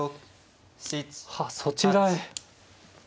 はあそちらへ。